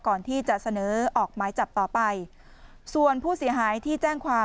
ก่อนที่จะเสนอออกหมายจับต่อไปส่วนผู้เสียหายที่แจ้งความ